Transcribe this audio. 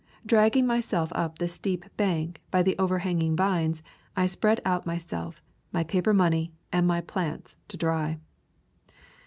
Dragging myself up the steep bank by the overhanging vines, I spread out myself, my paper money, and my plants to dry.